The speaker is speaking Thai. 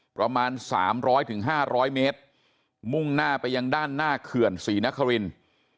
ประมาณ๓๐๐๕๐๐เมตรมุ่งหน้าไปยังด้านหน้าเขื่อนศรีนครินทร์